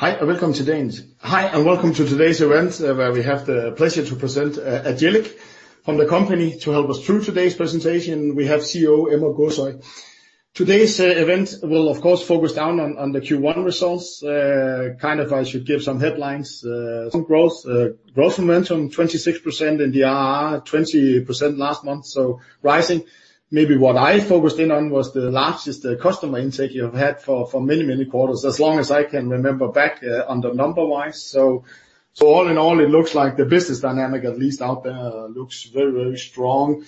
Hi, and welcome to today's event, where we have the pleasure to present Agillic from the company. To help us through today's presentation, we have CEO Emre Gürsoy. Today's event will of course focus down on the Q1 results. Kind of I should give some headlines, some growth momentum 26% in the ARR, 20% last month, so rising. Maybe what I focused in on was the largest customer intake you have had for many quarters, as long as I can remember back, on the number-wise. All in all, it looks like the business dynamic, at least out there, looks very strong.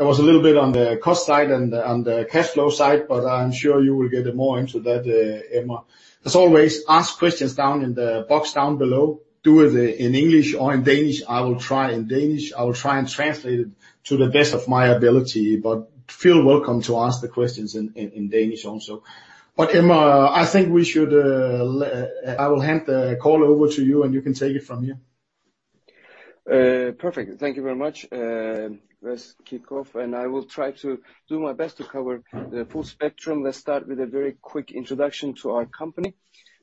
It was a little bit on the cost side and on the cash flow side, but I'm sure you will get more into that, Emre. As always, ask questions down in the box down below, do it in English or in Danish. I will try in Danish. I will try and translate it to the best of my ability, but feel welcome to ask the questions in Danish also. Emre, I will hand the call over to you, and you can take it from here. Perfect. Thank you very much. Let's kick off, and I will try to do my best to cover the full spectrum. Let's start with a very quick introduction to our company.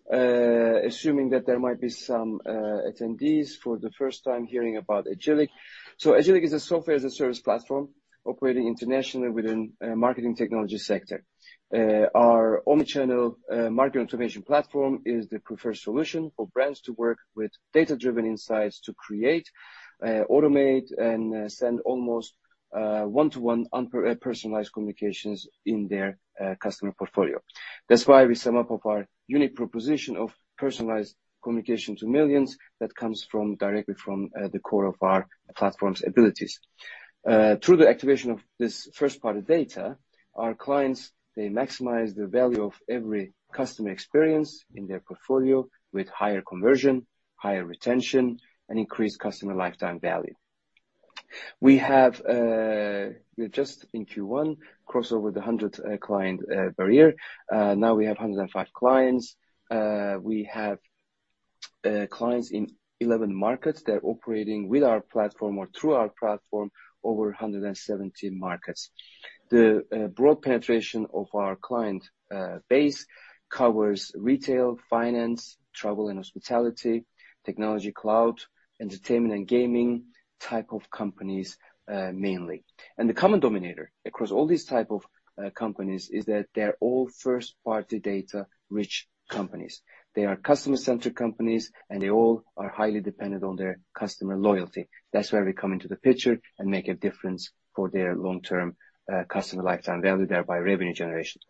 Assuming that there might be some attendees for the first time hearing about Agillic. Agillic is a software-as-a-service platform operating internationally within marketing technology sector. Our omnichannel marketing automation platform is the preferred solution for brands to work with data-driven insights to create, automate and send almost one-to-one personalized communications in their customer portfolio. That's why we sum up our unique proposition of personalized communication to millions that comes directly from the core of our platform's abilities. Through the activation of this first-party data, our clients maximize the value of every customer experience in their portfolio with higher conversion, higher retention, and increased customer lifetime value. We just in Q1 crossed over the 100 client barrier. Now we have 105 clients. We have clients in 11 markets that are operating with our platform or through our platform over 117 markets. The broad penetration of our client base covers retail, finance, travel and hospitality, technology cloud, entertainment and gaming type of companies, mainly. The common denominator across all these type of companies is that they're all first-party data-rich companies. They are customer-centric companies, and they all are highly dependent on their customer loyalty. That's where we come into the picture and make a difference for their long-term customer lifetime value, thereby revenue generation.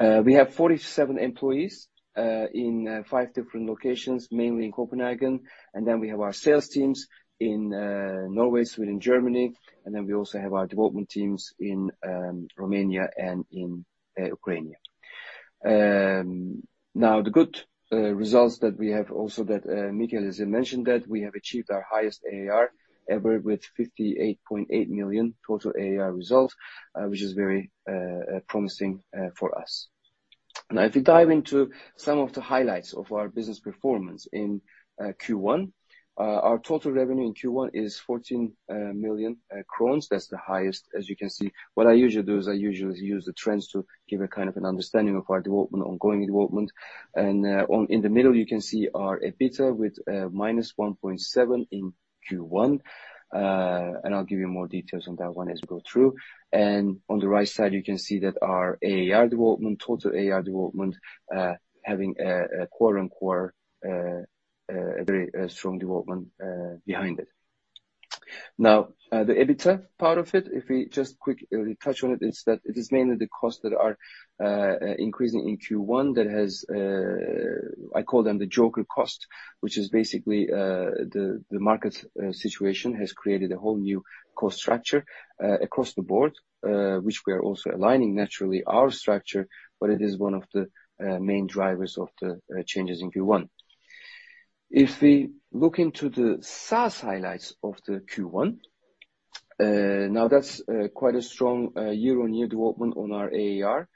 We have 47 employees in five different locations, mainly in Copenhagen. We have our sales teams in Norway, Sweden, Germany, and we also have our development teams in Romania and in Ukraine. Now, the good results that we have also that Michael has mentioned that we have achieved our highest ARR ever with 58.8 million total ARR result, which is very promising for us. Now, if we dive into some of the highlights of our business performance in Q1. Our total revenue in Q1 is 14 million. That's the highest, as you can see. What I usually do is I usually use the trends to give a kind of an understanding of our development, ongoing development. In the middle, you can see our EBITDA with minus 1.7 million in Q1. I'll give you more details on that one as we go through. On the right side, you can see that our ARR development, total ARR development, having a quarter-on-quarter very strong development behind it. Now, the EBITDA part of it, if we just quick touch on it, is that it is mainly the costs that are increasing in Q1 that has, I call them the joker cost, which is basically, the market situation has created a whole new cost structure, across the board, which we are also aligning naturally our structure, but it is one of the main drivers of the changes in Q1. If we look into the SaaS highlights of the Q1, now that's quite a strong year-on-year development on our ARR.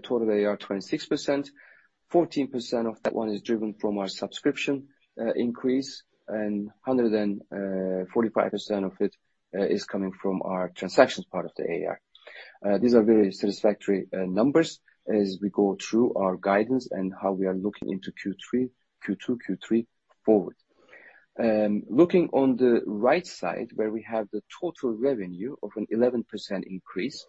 Total ARR 26%. 14% of that one is driven from our subscription increase, and 145% of it is coming from our transactions part of the ARR. These are very satisfactory numbers as we go through our guidance and how we are looking into Q2, Q3 forward. Looking on the right side, where we have the total revenue of an 11% increase,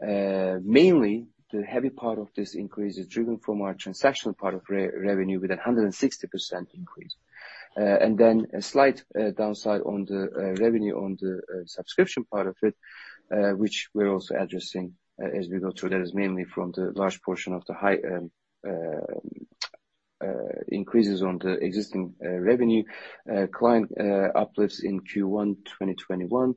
mainly the heavy part of this increase is driven from our transactional part of revenue with a 160% increase. A slight downside on the revenue on the subscription part of it, which we're also addressing as we go through. That is mainly from the large portion of the high increases on the existing revenue. Client uplifts in Q1 2021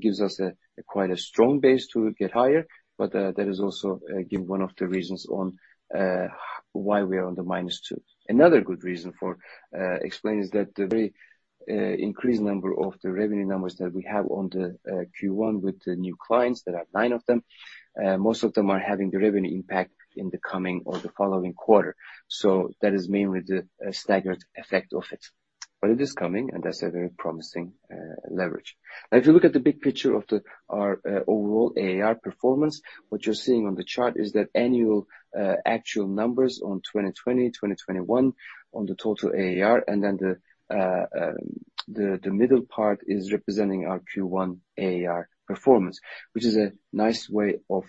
gives us quite a strong base to get higher, but that is also again one of the reasons why we are on the -2%. Another good reason for explaining is that the very increased number of the revenue numbers that we have on the Q1 with the new clients, there are nine of them, most of them are having the revenue impact in the coming or the following quarter. That is mainly the staggered effect of it. It is coming, and that's a very promising leverage. If you look at the big picture of our overall ARR performance, what you're seeing on the chart is that annual actual numbers on 2020, 2021 on the total ARR, and then the middle part is representing our Q1 ARR performance, which is a nice way of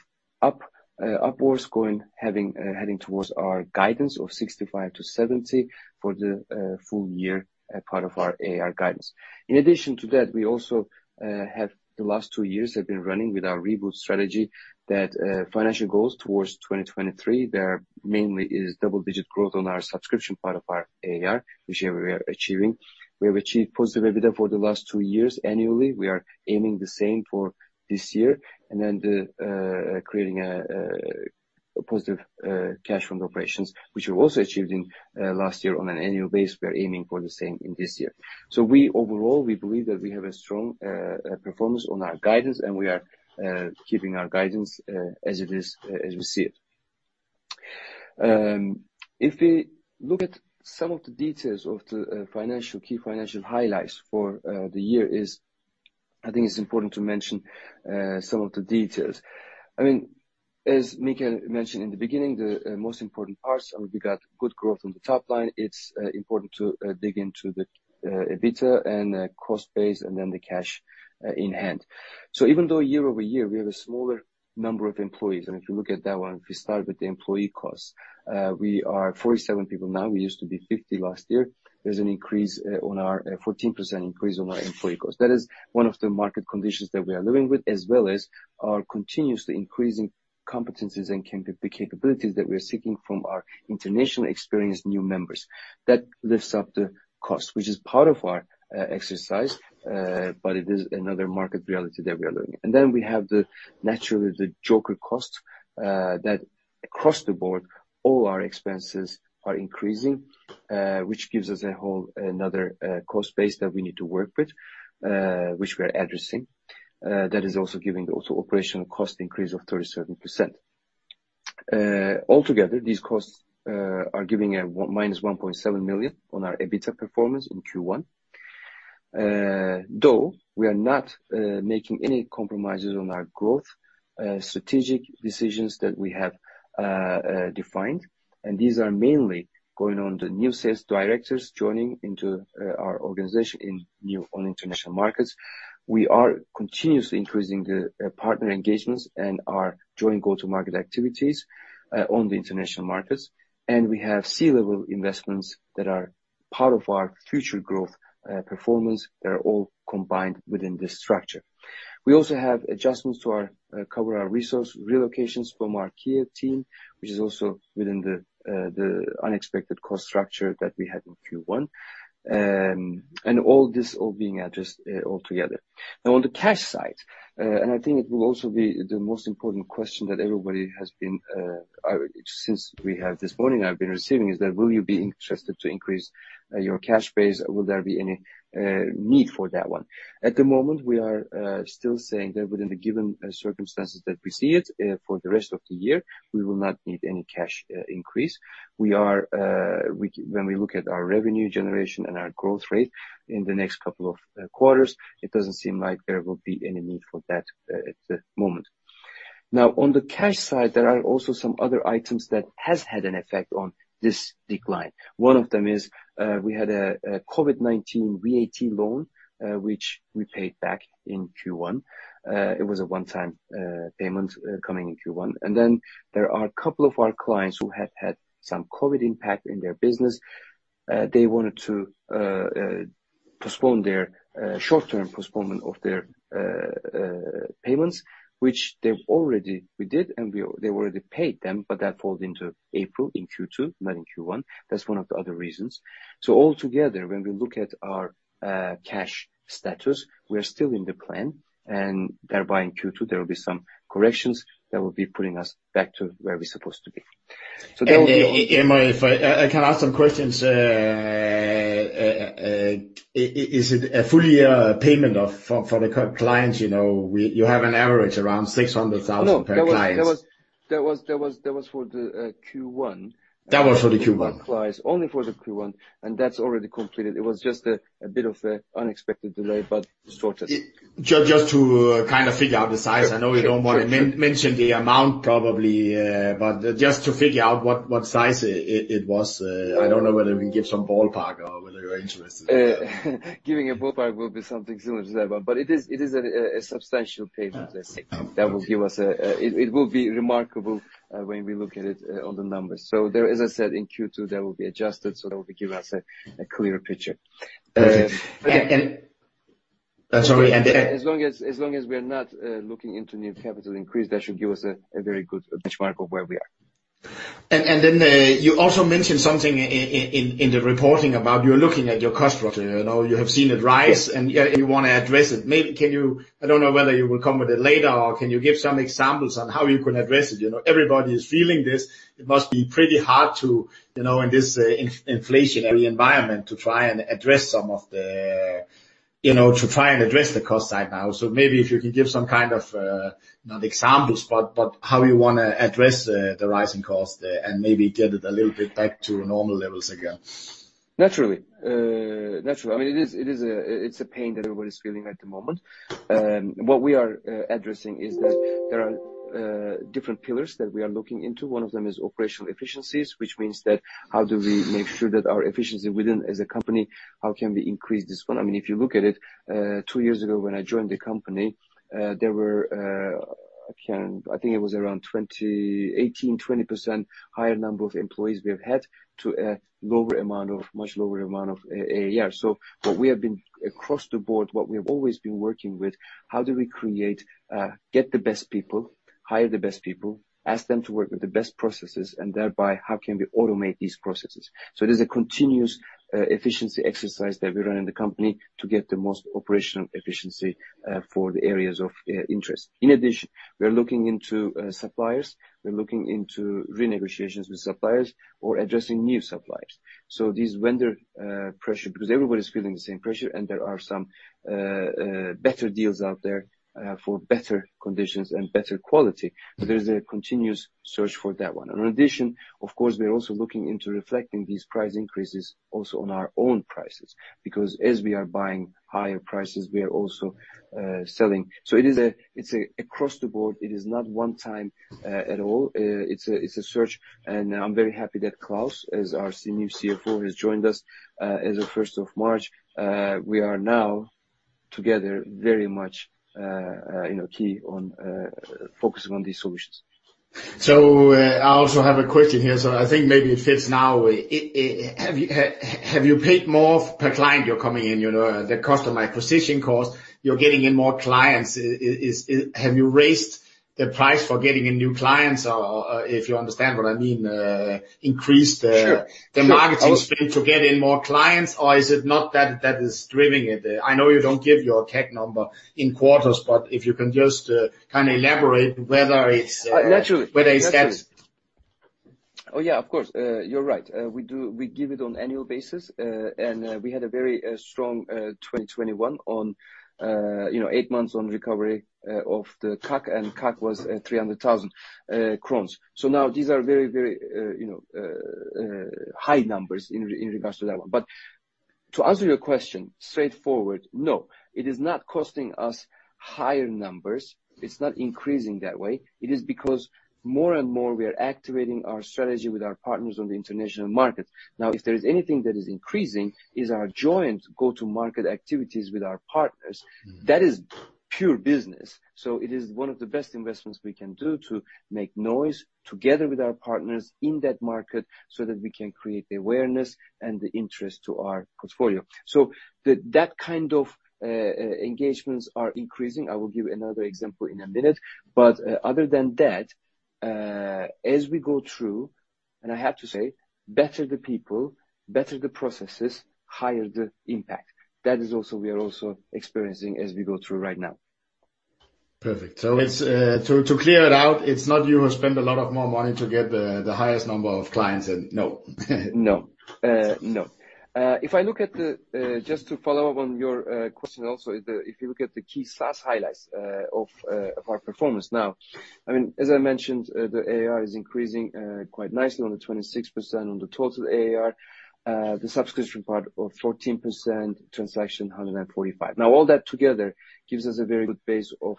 upwards going heading towards our guidance of 65%-70% for the full year part of our ARR guidance. In addition to that, we also have the last two years been running with our Reboot strategy that financial goals towards 2023, there mainly is double-digit growth on our subscription part of our ARR, which we are achieving. We have achieved positive EBITDA for the last two years annually. We are aiming the same for this year, and then the creating a positive cash from operations, which we're also achieving last year on an annual basis. We're aiming for the same in this year. Overall, we believe that we have a strong performance on our guidance, and we are keeping our guidance as it is, as we see it. If we look at some of the details of the key financial highlights for the year, I think it's important to mention some of the details. I mean, as Michael mentioned in the beginning, the most important parts are we got good growth on the top line. It's important to dig into the EBITDA and the cost base and then the cash in hand. Even though year-over-year we have a smaller number of employees, and if you look at that one, if you start with the employee costs, we are 47 people now. We used to be 50 last year. There's a 14% increase on our employee costs. That is one of the market conditions that we are living with, as well as our continuously increasing competencies and the capabilities that we're seeking from our international experienced new members. That lifts up the cost, which is part of our exercise, but it is another market reality that we are living. We have naturally the joker cost that across the board, all our expenses are increasing, which gives us a whole another cost base that we need to work with, which we are addressing. That is also giving operational cost increase of 37%. Altogether, these costs are giving a minus 1.7 million on our EBITDA performance in Q1. Though we are not making any compromises on our growth strategic decisions that we have defined, and these are mainly going on the new sales directors joining into our organization on international markets. We are continuously increasing the partner engagements and our joint go-to-market activities on the international markets, and we have C-level investments that are part of our future growth performance. They're all combined within this structure. We also have adjustments to cover our resource relocations from our Kyiv team, which is also within the unexpected cost structure that we had in Q1. All this being addressed altogether. Now, on the cash side, and I think it will also be the most important question that everybody since we have this morning I've been receiving, is that will you be interested to increase your cash base? Will there be any need for that one? At the moment, we are still saying that within the given circumstances that we see it for the rest of the year, we will not need any cash increase. When we look at our revenue generation and our growth rate in the next couple of quarters, it doesn't seem like there will be any need for that at the moment. Now, on the cash side, there are also some other items that has had an effect on this decline. One of them is we had a COVID-19 VAT loan, which we paid back in Q1. It was a one-time payment coming in Q1. There are a couple of our clients who have had some COVID impact in their business. They wanted a short-term postponement of their payments, which they've already paid them, but that falls into April in Q2, not in Q1. That's one of the other reasons. Altogether, when we look at our cash status, we're still in the plan, and thereby in Q2, there will be some corrections that will be putting us back to where we're supposed to be. Emre, I can ask some questions. Is it a full year payment for the clients, you know, you have an average around 600,000 per client. No, that was for the Q1. Only for the Q1, and that's already completed. It was just a bit of an unexpected delay, but sorted. Just to kind of figure out the size. I know you don't wanna mention the amount probably, but just to figure out what size it was. I don't know whether we give some ballpark or whether you're interested. Giving a ballpark will be something similar to that, but it is a substantial payment, let's say. That will give us a, it will be remarkable when we look at it on the numbers. There, as I said, in Q2 that will be adjusted, so that will be giving us a clearer picture. As long as we are not looking into new capital increase, that should give us a very good benchmark of where we are. You also mentioned something in the reporting about your looking at your cost structure. You know, you have seen it rise, and you want to address it. I don't know whether you will come with it later or can you give some examples on how you can address it? You know, everybody is feeling this. It must be pretty hard to, you know, in this inflationary environment to try and address the cost side now. Maybe if you can give some kind of not examples, but how you wanna address the rising cost and maybe get it a little bit back to normal levels again. Naturally. I mean, it is a pain that everybody's feeling at the moment. What we are addressing is that there are different pillars that we are looking into. One of them is operational efficiencies, which means that how do we make sure that our efficiency within as a company, how can we increase this one? I mean, if you look at it, two years ago when I joined the company, I think it was around 18%, 20% higher number of employees we have had to a lower amount of, much lower amount of ARR. Across the board, what we have always been working with, how do we get the best people, hire the best people, ask them to work with the best processes, and thereby how can we automate these processes? There's a continuous efficiency exercise that we run in the company to get the most operational efficiency for the areas of interest. In addition, we are looking into suppliers. We're looking into renegotiations with suppliers or addressing new suppliers. This vendor pressure because everybody is feeling the same pressure and there are some better deals out there for better conditions and better quality. There's a continuous search for that one. In addition, of course, we are also looking into reflecting these price increases also on our own prices, because as we are buying higher prices, we are also selling. It's across the board, it is not one time at all. It's a surcharge, and I'm very happy that Klaus, as our new CFO, has joined us as of first of March. We are now together very much, you know, key on focusing on these solutions. I also have a question here, so I think maybe it fits now. Have you paid more per client you're coming in, you know, the customer acquisition cost, you're getting in more clients. Have you raised the price for getting in new clients or if you understand what I mean, increase the marketing spend to get in more clients, or is it not that is driving it? I know you don't give your tech number in quarters, but if you can just, kind of elaborate whether it's [that]. Yeah, of course. You're right. We give it on annual basis, and we had a very strong 2021 on, you know, eight months on recovery of the CAC, and CAC was at 300,000 crowns. Now these are very high numbers in regards to that one. To answer your question straightforward, no, it is not costing us higher numbers. It's not increasing that way. It is because more and more we are activating our strategy with our partners on the international market. If there is anything that is increasing is our joint go-to-market activities with our partners. That is pure business. It is one of the best investments we can do to make noise together with our partners in that market so that we can create the awareness and the interest to our portfolio. That kind of engagements are increasing. I will give another example in a minute. Other than that, as we go through, and I have to say, better the people, better the processes, higher the impact. That is also we are experiencing as we go through right now. Perfect. To clear it out, it's not you who spend a lot more money to get the highest number of clients and no. No. If I look at the, just to follow up on your question also, if you look at the key SaaS highlights of our performance now, I mean, as I mentioned, the ARR is increasing quite nicely on the 26% on the total ARR, the subscription part of 14%, transaction 145%. Now, all that together gives us a very good base of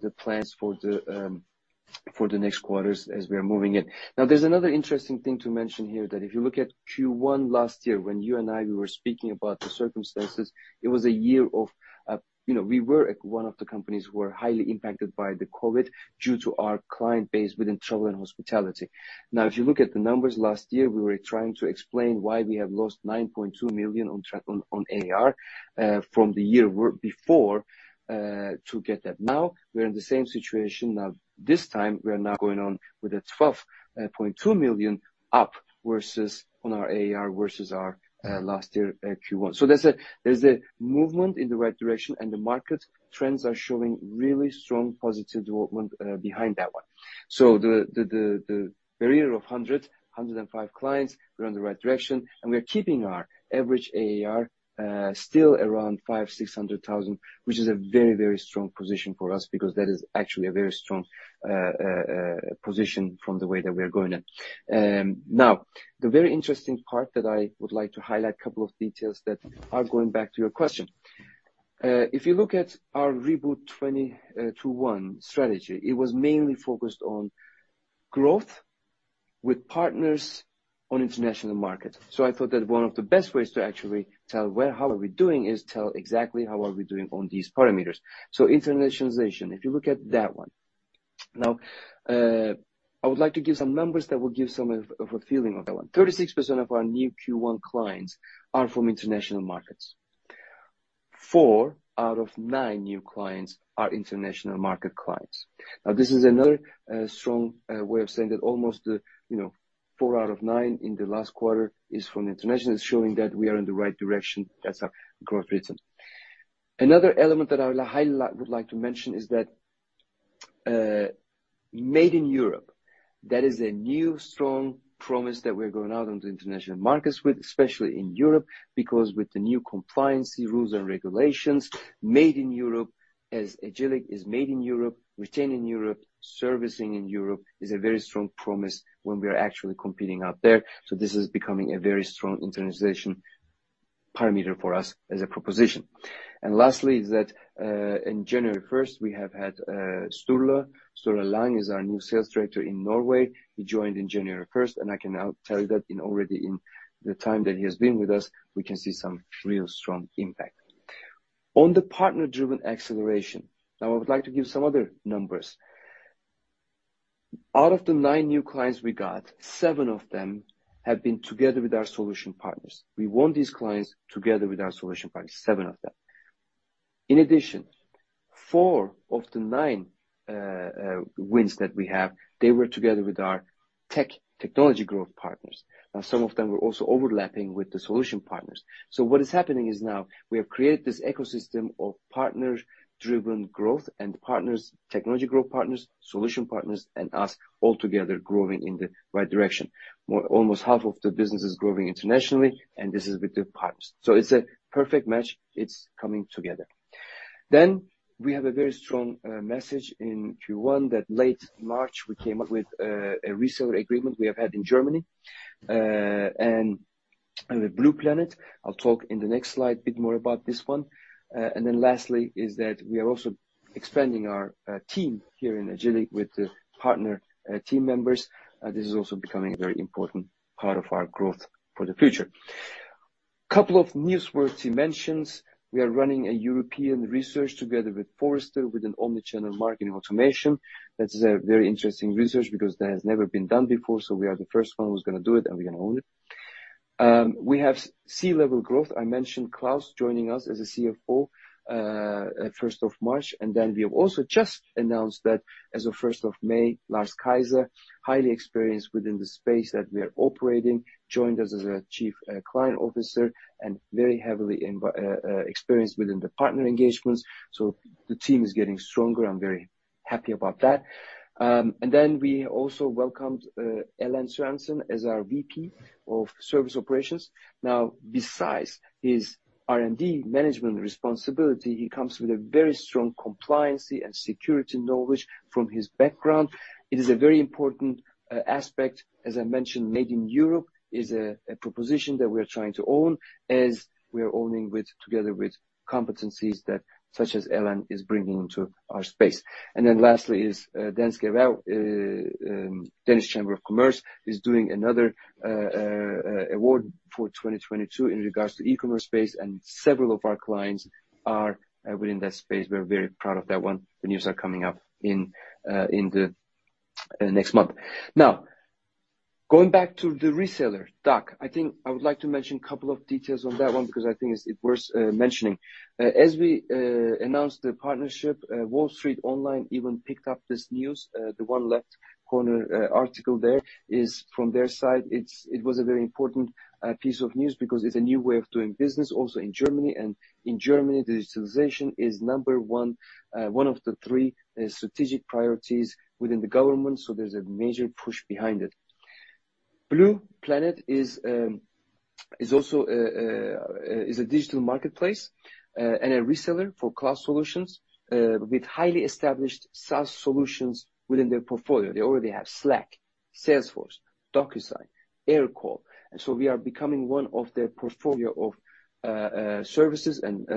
the plans for the next quarters as we are moving it. Now, there's another interesting thing to mention here that if you look at Q1 last year, when you and I were speaking about the circumstances, you know, we were one of the companies who were highly impacted by the COVID due to our client base within travel and hospitality. Now, if you look at the numbers last year, we were trying to explain why we have lost 9.2 million on ARR from the year before to get that. Now, we're in the same situation. Now, this time, we are now going on with a 12.2 million up versus on our ARR versus our last year Q1. There's a movement in the right direction, and the market trends are showing really strong positive development behind that one. The barrier of 105 clients, we're on the right direction, and we're keeping our average ARR still around 500,000, 600,000, which is a very strong position for us because that is actually a very strong position from the way that we are going at. Now, the very interesting part that I would like to highlight a couple of details that are going back to your question. If you look at our Reboot 2.1 strategy, it was mainly focused on growth with partners on international markets. I thought that one of the best ways to actually tell where how we are doing is tell exactly how we are doing on these parameters. Internationalization, if you look at that one. Now, I would like to give some numbers that will give some of a feeling of that one. 36% of our new Q1 clients are from international markets. Four out of nine new clients are international market clients. Now, this is another strong way of saying that almost, you know, four out of nine in the last quarter is from international showing that we are in the right direction. That's our growth return. Another element that I would like to mention is that made in Europe. That is a new strong promise that we're going out into international markets with, especially in Europe, because with the new compliance rules and regulations, made in Europe, as Agillic is made in Europe, retained in Europe, servicing in Europe, is a very strong promise when we are actually competing out there. This is becoming a very strong internationalization parameter for us as a proposition. Lastly is that, in January first, Sturla Lang is our new Sales Director in Norway. He joined in January first, and I can now tell you that already in the time that he has been with us, we can see some real strong impact on the partner-driven acceleration. Now, I would like to give some other numbers. Out of the nine new clients we got, seven of them have been together with our solution partners. We won these clients together with our solution partners, seven of them. In addition, four of the nine wins that we have, they were together with our technology growth partners. Now, some of them were also overlapping with the solution partners. What is happening is now we have created this ecosystem of partner-driven growth and partners, technology growth partners, solution partners, and us all together growing in the right direction. Almost half of the business is growing internationally, and this is with the partners. It's a perfect match. It's coming together. We have a very strong message in Q1 that late March, we came up with a reseller agreement we have had in Germany and with bluplanet. I'll talk in the next slide a bit more about this one. Lastly is that we are also expanding our team here in Agillic with the partner team members. This is also becoming a very important part of our growth for the future. Couple of newsworthy mentions. We are running a European research together with Forrester with an omnichannel marketing automation. That is a very interesting research because that has never been done before, so we are the first one who's gonna do it, and we're going to own it. We have C-level growth. I mentioned Klaus joining us as a CFO at first of March, and we have also just announced that as of first of May, Lars Kejser, highly experienced within the space that we are operating, joined us as a Chief Client Officer and very heavily experienced within the partner engagements. The team is getting stronger. I'm very happy about that. We also welcomed Allan Sørensen as our VP of Service Operations. Now, besides his R&D management responsibility, he comes with a very strong compliance and security knowledge from his background. It is a very important aspect. As I mentioned, Made in Europe is a proposition that we are trying to own as we are owning with, together with competencies that such as Allan is bringing to our space. Lastly is Dansk Erhverv, Danish Chamber of Commerce is doing another award for 2022 in regards to e-commerce space, and several of our clients are within that space. We're very proud of that one. The news are coming up in the next month. Now, going back to the reseller, [Dag], I think I would like to mention a couple of details on that one because I think it's worth mentioning. As we announced the partnership, wallstreet-online even picked up this news. The online article there is from their side. It was a very important piece of news because it's a new way of doing business also in Germany. In Germany, digitalization is number one of the three strategic priorities within the government, so there's a major push behind it. bluplanet is also a digital marketplace and a reseller for cloud solutions with highly established SaaS solutions within their portfolio. They already have Slack, Salesforce, DocuSign, Aircall. We are becoming one of their portfolio of services and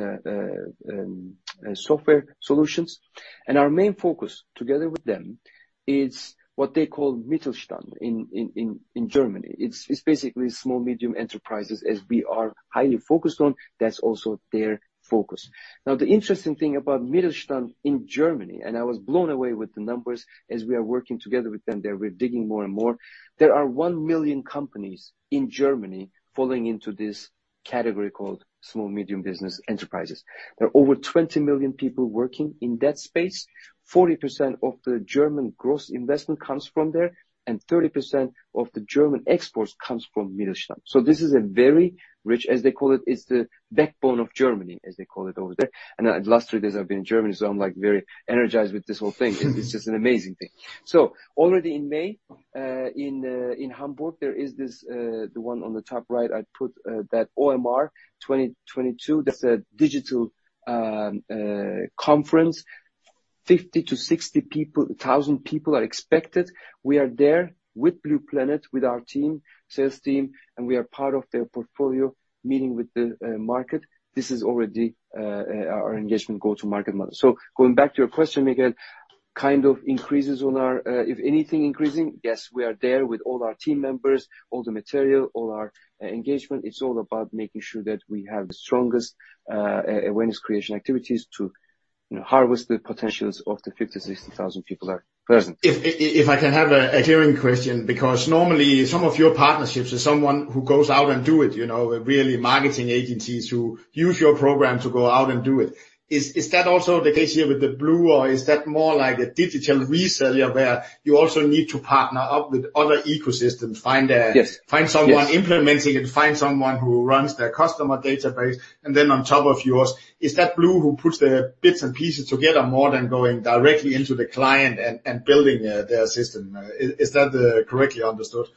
software solutions. Our main focus together with them is what they call Mittelstand in Germany. It's basically small, medium enterprises as we are highly focused on. That's also their focus. Now, the interesting thing about Mittelstand in Germany. I was blown away with the numbers as we are working together with them there, we're digging more and more. There are 1 million companies in Germany falling into this category called small, medium business enterprises. There are over 20 million people working in that space. 40% of the German gross investment comes from there, and 30% of the German exports comes from Mittelstand. This is a very rich, as they call it's the backbone of Germany, as they call it over there. The last three days I've been in Germany, so I'm like very energized with this whole thing. It's just an amazing thing. Already in May in Hamburg, there is this the one on the top right, I put that OMR 2022. That's a digital conference. 50,000-60,000 people are expected. We are there with bluplanet, with our team, sales team, and we are part of their portfolio meeting with the market. This is already our engagement go-to-market model. Going back to your question, Michael, kind of increases on our, if anything increasing, yes, we are there with all our team members, all the material, all our engagement. It's all about making sure that we have the strongest awareness creation activities to, you know, harvest the potentials of the 50,000, 60,000 people that are present. If I can have a burning question, because normally some of your partnerships is someone who goes out and do it, you know, really marketing agencies who use your program to go out and do it. Is that also the case here with bluplanet, or is that more like a digital reseller where you also need to partner up with other ecosystems, find someone implementing it, find someone who runs their customer database, and then on top of yours, is that bluplanet who puts the bits and pieces together more than going directly into the client and building their system? Is that correctly understood?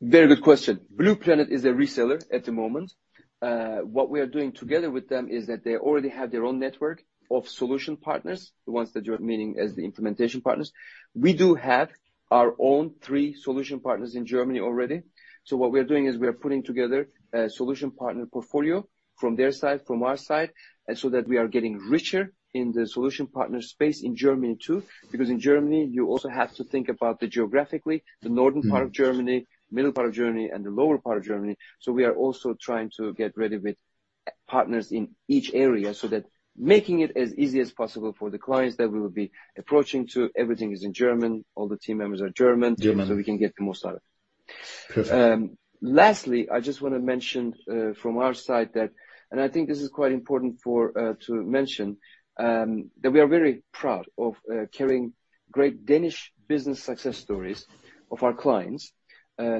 Very good question. bluplanet is a reseller at the moment. What we are doing together with them is that they already have their own network of solution partners, the ones that you're meaning as the implementation partners. We do have our own three solution partners in Germany already. What we are doing is we are putting together a solution partner portfolio from their side, from our side, and so that we are getting richer in the solution partner space in Germany too. Because in Germany, you also have to think about the geographically, the northern part of Germany, middle part of Germany, and the lower part of Germany. We are also trying to get ready with partners in each area so that making it as easy as possible for the clients that we will be approaching to. Everything is in German. All the team members are German, we can get the most out of it. Lastly, I just want to mention from our side that, and I think this is quite important for to mention, that we are very proud of carrying great Danish business success stories of our clients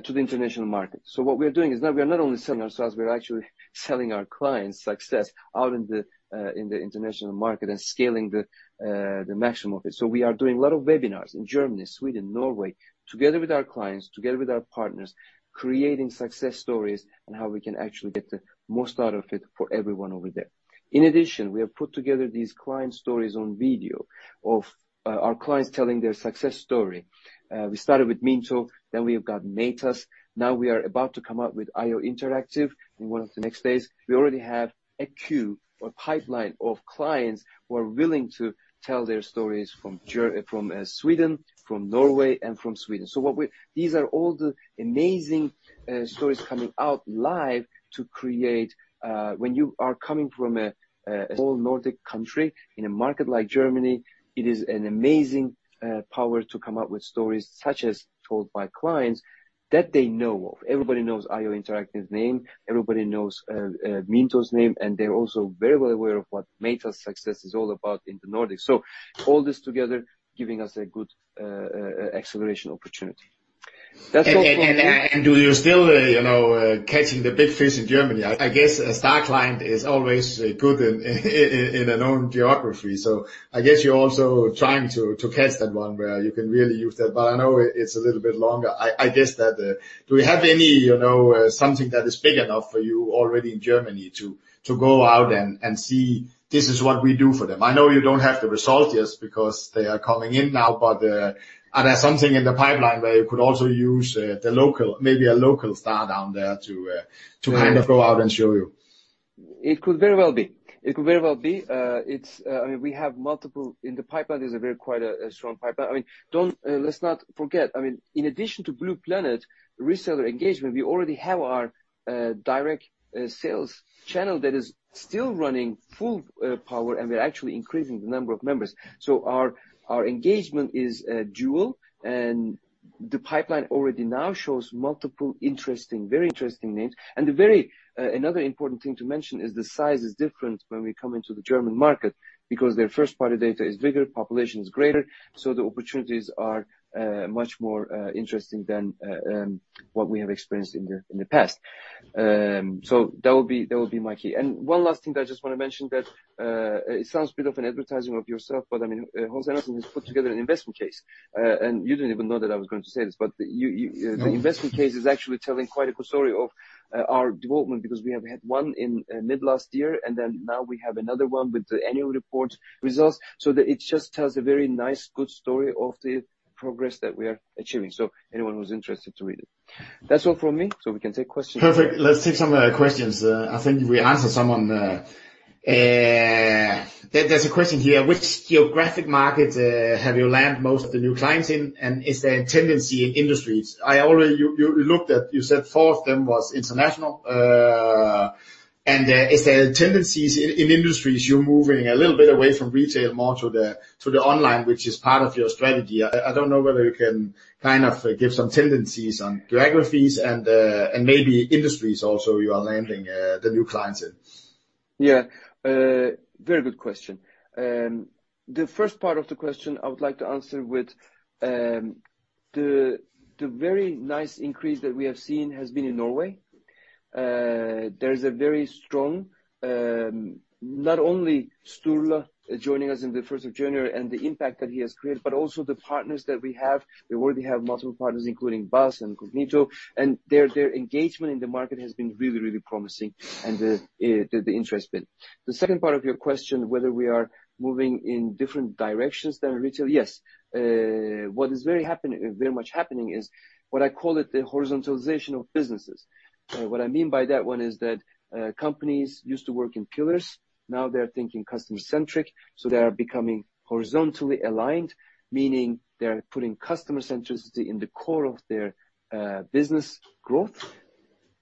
to the international market. What we are doing is now we are not only selling ourselves, we are actually selling our clients success out in the international market and scaling the maximum of it. We are doing a lot of webinars in Germany, Sweden, Norway, together with our clients, together with our partners, creating success stories on how we can actually get the most out of it for everyone over there. In addition, we have put together these client stories on video of our clients telling their success story. We started with Miinto, then we have got Matas, now we are about to come out with IO Interactive in one of the next days. We already have a queue or pipeline of clients who are willing to tell their stories from Norway and from Sweden. These are all the amazing stories coming out live to create. When you are coming from a whole Nordic country in a market like Germany, it is an amazing power to come up with stories such as told by clients that they know of. Everybody knows IO Interactive's name, everybody knows Miinto's name, and they're also very well aware of what Matas' success is all about in the Nordics. All this together giving us a good acceleration opportunity. That's all from me. Do you still, you know, catching the big fish in Germany? I guess a star client is always good in a known geography. I guess you're also trying to catch that one where you can really use that. I know it's a little bit longer. I guess that do we have any, you know, something that is big enough for you already in Germany to go out and see this is what we do for them? I know you don't have the result just because they are coming in now, but are there something in the pipeline where you could also use maybe a local star down there to kind of go out and show you? It could very well be. It's, I mean we have multiple in the pipeline. There's quite a strong pipeline. I mean, let's not forget, I mean in addition to bluplanet reseller engagement, we already have our direct sales channel that is still running full power and we are actually increasing the number of members. Our engagement is dual and the pipeline already now shows multiple interesting, very interesting names. Another important thing to mention is the size is different when we come into the German market because their first-party data is bigger, population is greater, so the opportunities are much more interesting than what we have experienced in the past. That will be my key. One last thing that I just wanna mention that it sounds a bit of an advertising of yourself, but I mean, HC Andersen Capital has put together an investment case. You didn't even know that I was going to say this, but you the investment case is actually telling quite a good story of our development because we have had one in mid last year and then now we have another one with the annual report results. It just tells a very nice good story of the progress that we are achieving. Anyone who's interested to read it. That's all from me, so we can take questions. Perfect. Let's take some questions. I think we answer some on the. There's a question here. Which geographic markets have you landed most of the new clients in? And is there a tendency in industries? You looked at, you said four of them was international. Is there tendencies in industries you're moving a little bit away from retail more to the online, which is part of your strategy. I don't know whether you can kind of give some tendencies on geographies and maybe industries also you are landing the new clients in. Yeah. Very good question. The first part of the question I would like to answer with the very nice increase that we have seen has been in Norway. There's a very strong not only Sturla joining us in the first of January and the impact that he has created, but also the partners that we have. We already have multiple partners including BAS and Cognito, and their engagement in the market has been really promising and the interest been. The second part of your question, whether we are moving in different directions than retail. Yes. What is very much happening is what I call it the horizontalization of businesses. What I mean by that one is that companies used to work in pillars, now they're thinking customer-centric, so they are becoming horizontally aligned, meaning they're putting customer centricity in the core of their business growth.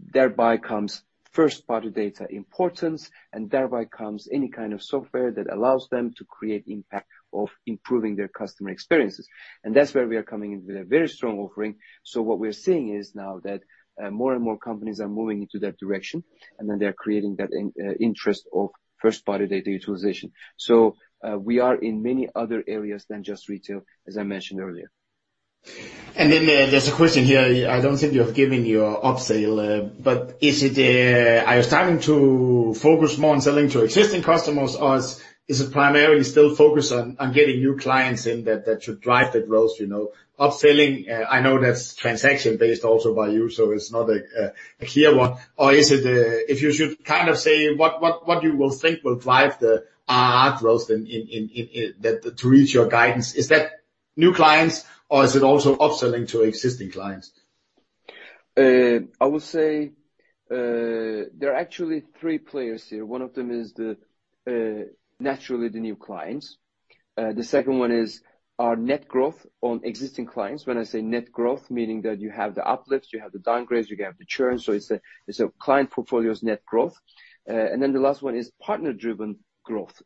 Thereby comes first-party data importance, and thereby comes any kind of software that allows them to create impact of improving their customer experiences. That's where we are coming in with a very strong offering. What we're seeing is now that more and more companies are moving into that direction, and then they're creating that in interest of first-party data utilization. We are in many other areas than just retail, as I mentioned earlier. Then there's a question here. I don't think you have given your upsell. Are you starting to focus more on selling to existing customers, or is it primarily still focused on getting new clients in that should drive the growth, you know? Upselling, I know that's transaction-based also by you, so it's not a key one. If you should kind of say what you will think will drive the ARR growth in that to reach your guidance. Is that new clients or is it also upselling to existing clients? I would say there are actually three players here. One of them is naturally the new clients. The second one is our net growth on existing clients. When I say net growth, meaning that you have the uplifts, you have the downgrades, you have the churn. It's a client portfolio's net growth. Then the last one is partner-driven growth.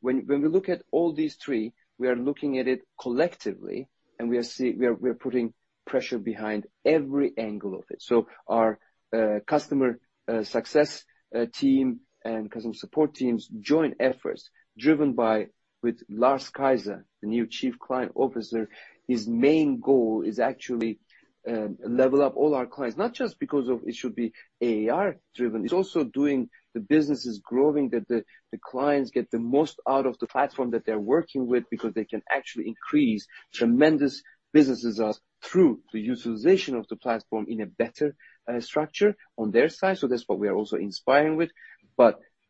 When we look at all these three, we are looking at it collectively, and we are putting pressure behind every angle of it. Our customer success team and customer support teams joint efforts driven by with Lars Kejser, the new Chief Client Officer, his main goal is actually level up all our clients, not just because of it should be ARR driven. It's also doing the businesses growing, that the clients get the most out of the platform that they're working with because they can actually increase tremendous business success through the utilization of the platform in a better structure on their side. That's what we are also inspiring with.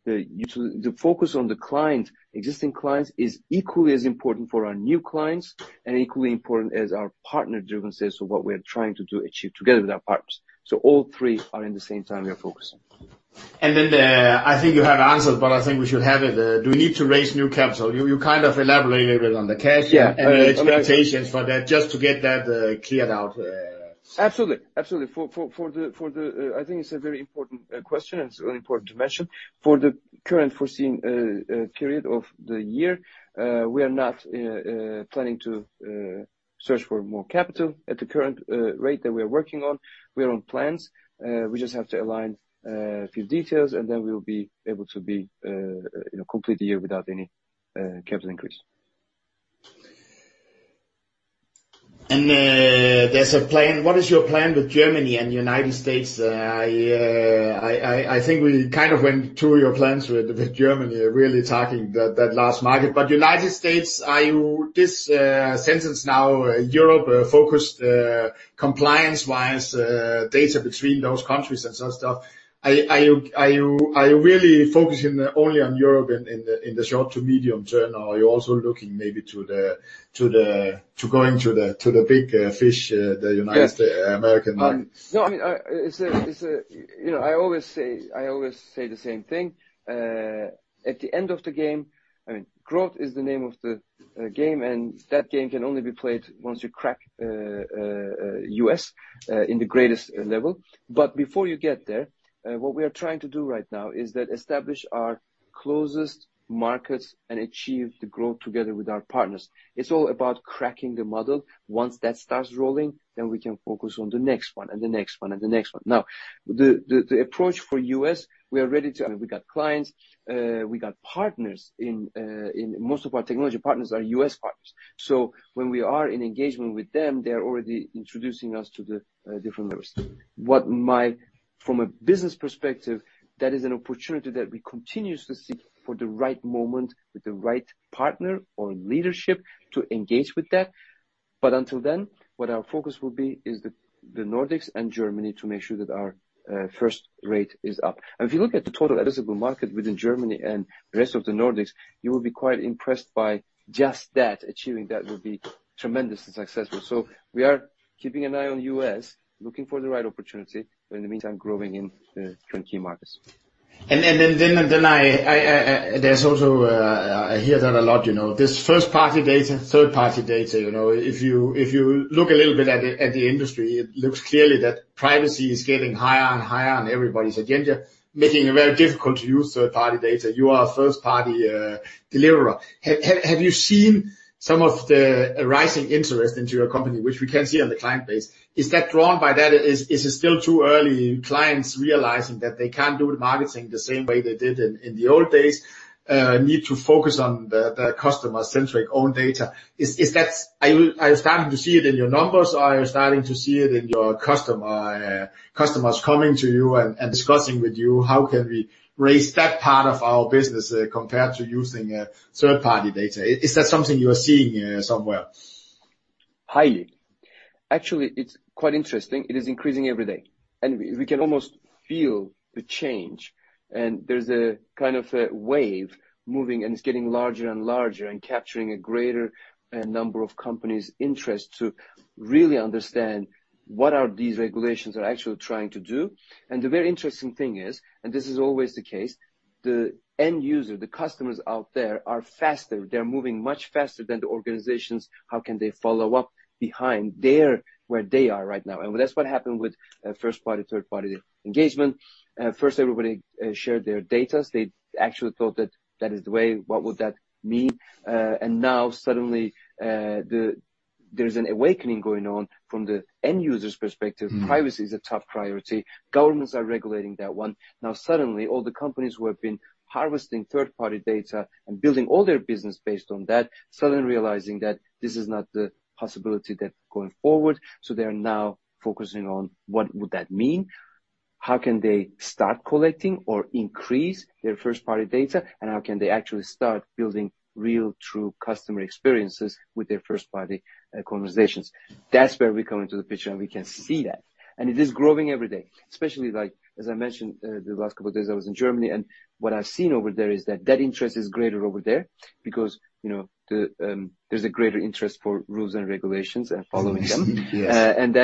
The focus on the client, existing clients, is equally as important for our new clients and equally important as our partner-driven sales, so what we are trying to achieve together with our partners. All three are at the same time we are focusing. I think you have answered, but I think we should have it. Do we need to raise new capital? You kind of elaborated it on the cash, the expectations for that, just to get that cleared out. Absolutely. I think it's a very important question, and it's really important to mention. For the current foreseen period of the year, we are not planning to search for more capital at the current rate that we are working on. We are on plans. We just have to align a few details, and then we'll be able to be, you know, complete the year without any capital increase. What is your plan with Germany and United States? I think we kind of went through your plans with Germany, really talking that last market. United States, are you in this sense now Europe-focused, compliance-wise, data between those countries and so on stuff, are you really focusing only on Europe in the short to medium-term, or are you also looking maybe to going to the big fish, the American market? No, I mean, you know, I always say the same thing. At the end of the game, I mean, growth is the name of the game, and that game can only be played once you crack U.S. in the greatest level. Before you get there, what we are trying to do right now is to establish our closest markets and achieve the growth together with our partners. It's all about cracking the model. Once that starts rolling, then we can focus on the next one and the next one and the next one. Now, the approach for U.S., we are ready. I mean, we got clients, we got partners in most of our technology partners are U.S. partners. When we are in engagement with them, they are already introducing us to the different levels. From a business perspective, that is an opportunity that we continuously seek for the right moment with the right partner or leadership to engage with that. Until then, what our focus will be is the Nordics and Germany to make sure that our first rate is up. If you look at the total addressable market within Germany and the rest of the Nordics, you will be quite impressed by just that. Achieving that would be tremendously successful. We are keeping an eye on U.S., looking for the right opportunity, but in the meantime, growing in the 20 markets. There's also, I hear that a lot, you know. This first-party data, third-party data, you know. If you look a little bit at the industry, it looks clearly that privacy is getting higher and higher on everybody's agenda, making it very difficult to use third-party data. You are a first-party deliverer. Have you seen some of the rising interest in your company, which we can see in the client base? Is that drawn by that? Is it still too early, clients realizing that they can't do the marketing the same way they did in the old days, need to focus on the customer-centric own data? Are you starting to see it in your numbers? Are you starting to see it in your customers coming to you and discussing with you how can we raise that part of our business compared to using third-party data? Is that something you are seeing somewhere? Highly. Actually, it's quite interesting. It is increasing every day, and we can almost feel the change. There's a kind of a wave moving, and it's getting larger and larger and capturing a greater number of companies' interest to really understand what are these regulations are actually trying to do. The very interesting thing is, and this is always the case, the end user, the customers out there are faster. They're moving much faster than the organizations. How can they follow up behind there where they are right now? That's what happened with first-party, third-party engagement. Everybody shared their data. They actually thought that that is the way, what would that mean? Now, suddenly, there's an awakening going on from the end user's perspective. Privacy is a top priority. Governments are regulating that one. Now, suddenly, all the companies who have been harvesting third-party data and building all their business based on that, suddenly realizing that this is not the possibility that going forward. They are now focusing on what would that mean. How can they start collecting or increase their first-party data, and how can they actually start building real true customer experiences with their first-party conversations? That's where we come into the picture, and we can see that. It is growing every day, especially like, as I mentioned, the last couple of days, I was in Germany, and what I've seen over there is that that interest is greater over there because, you know, the, there's a greater interest for rules and regulations and following them.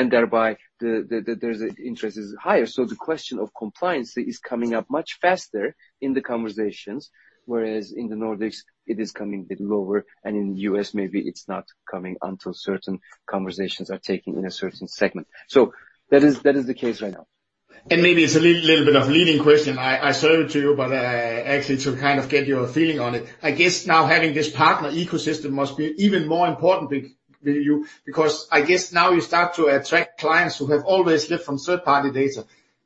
Thereby the interest is higher. The question of compliance is coming up much faster in the conversations, whereas in the Nordics, it is coming a bit lower, and in the U.S., maybe it's not coming until certain conversations are taking in a certain segment. That is the case right now. Maybe it's a little bit of a leading question. I say it to you, but actually to kind of get your feeling on it. I guess now having this partner ecosystem must be even more important to you because I guess now you start to attract clients who have always lived from third-party data,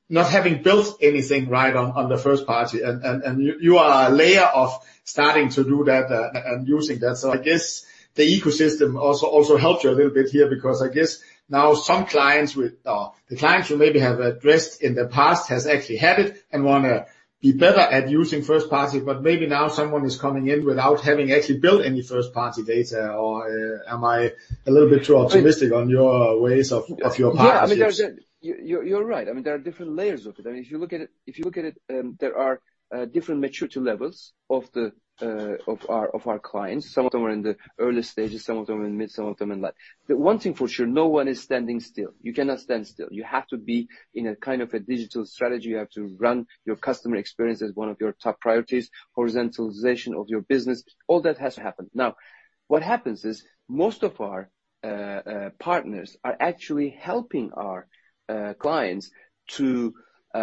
not having built anything right on the first-party. And you are a layer of starting to do that and using that. I guess the ecosystem also helps you a little bit here because I guess now some clients without, or the clients you maybe have addressed in the past has actually had it and wanna be better at using first-party, but maybe now someone is coming in without having actually built any first-party data. Am I a little bit too optimistic on your ways of your partners? I mean, You're right. I mean, there are different layers of it. I mean, if you look at it, there are different maturity levels of our clients. Some of them are in the early stages, some of them are in mid, some of them in late. The one thing for sure, no one is standing still. You cannot stand still. You have to be in a kind of a digital strategy. You have to run your customer experience as one of your top priorities, horizontalization of your business. All that has to happen. Now, what happens is most of our partners are actually helping our clients to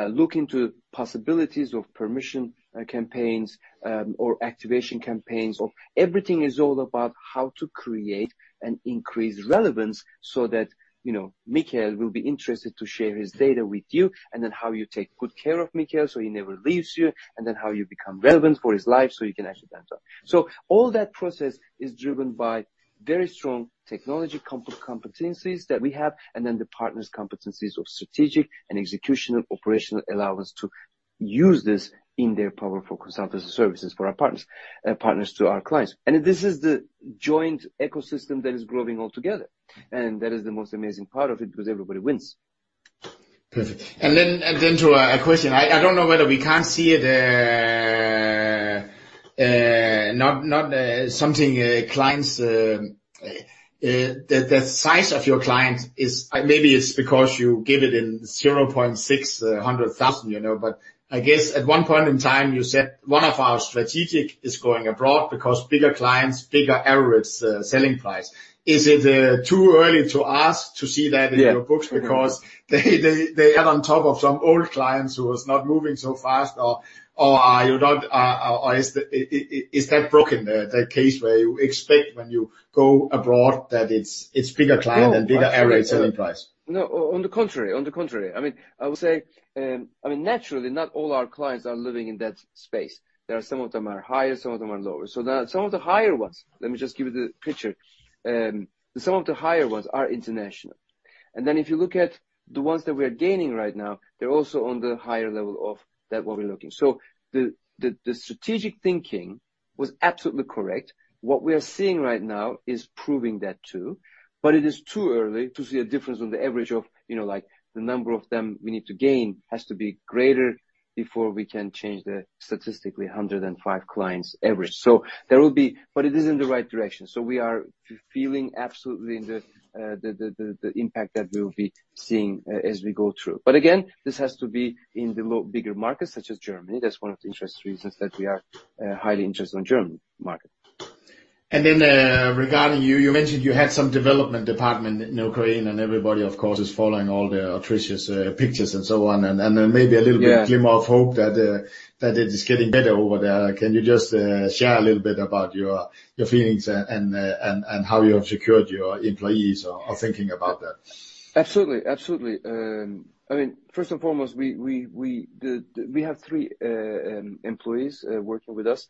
look into possibilities of permission campaigns or activation campaigns. Everything is all about how to create and increase relevance so that, you know, Michael will be interested to share his data with you, and then how you take good care of Michael, so he never leaves you, and then how you become relevant for his life, so you can actually upsell. All that process is driven by very strong technology competencies that we have, and then the partners competencies of strategic and executional operational allow us to use this in their powerful consultancy services for our partners to our clients. That is the joint ecosystem that is growing all together. That is the most amazing part of it because everybody wins. Perfect. To a question. I don't know whether we can't see it or not the size of your clients is. Maybe it's because you give it in 600,000, you know, but I guess at one point in time, you said one of our strategies is going abroad because bigger clients, bigger average selling price. Is it too early to ask to see that in your books because they add on top of some old clients who was not moving so fast or are you not or is that broken, the case where you expect when you go abroad that it's bigger client and bigger average selling price? No, on the contrary. I mean, I would say, I mean, naturally, not all our clients are living in that space. There are some of them are higher, some of them are lower. Let me just give you the picture, some of the higher ones are international. Then if you look at the ones that we are gaining right now, they're also on the higher level of that what we're looking. The strategic thinking was absolutely correct. What we are seeing right now is proving that too. It is too early to see a difference on the average of the number of them we need to gain has to be greater before we can change the statistical 105 clients average. There will be. It is in the right direction. We are feeling absolutely the impact that we'll be seeing as we go through. Again, this has to be in the bigger markets such as Germany. That's one of the interesting reasons that we are highly interested in the German market. You mentioned you had some development department in Ukraine, and everybody, of course, is following all the atrocious pictures and so on. Maybe a little bit of glimmer of hope that it is getting better over there. Can you just share a little bit about your feelings and how you have secured your employees or thinking about that? Absolutely. I mean, first and foremost, we have three employees working with us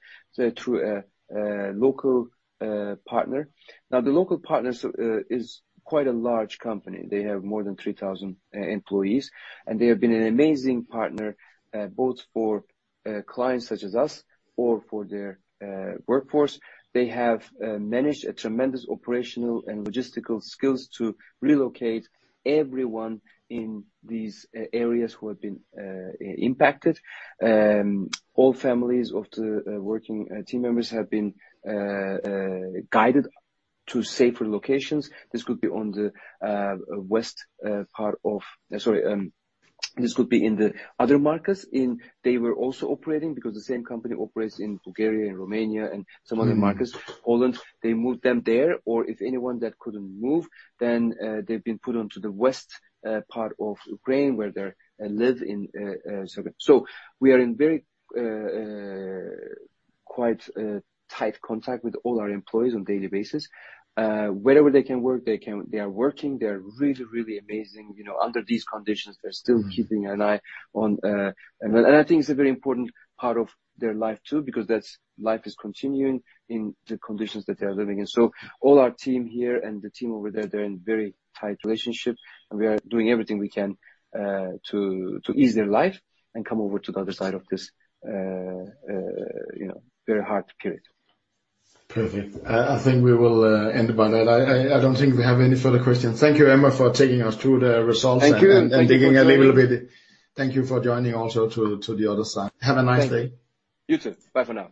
through a local partner. Now, the local partners is quite a large company. They have more than 3,000 employees, and they have been an amazing partner both for clients such as us or for their workforce. They have managed a tremendous operational and logistical skills to relocate everyone in these areas who have been impacted. All families of the working team members have been guided to safer locations. This could be in the other markets in they were also operating because the same company operates in Bulgaria and Romania and some other markets, Poland. They moved them there or if anyone that couldn't move, then, they've been put onto the west part of Ukraine where they live in. So, we are in very quite tight contact with all our employees on daily basis. Wherever they can work, they are working. They're really amazing. You know, under these conditions, they're still keeping an eye on. I think it's a very important part of their life too, because that's life is continuing in the conditions that they are living in. All our team here and the team over there, they're in very tight relationship, and we are doing everything we can to ease their life and come over to the other side of this, you know, very hard period. Perfect. I think we will end by that. I don't think we have any further questions. Thank you, Emre, for taking us through the results digging a little bit. Thank you for joining also to the other side. Have a nice day. You too. Bye for now.